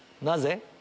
なぜ？